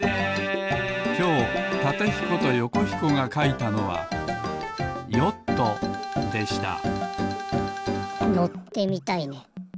今日タテひことヨコひこがかいたのはヨットでしたのってみたいね。